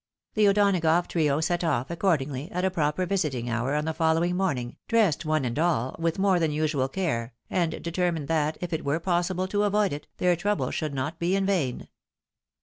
The O'Donagough trio set off, accordingly, at a proper visiting hour on the following morning, dressed, one and all, with more than usual care, and determined that, if it were possible to avoid it, their trouble should not be in vain.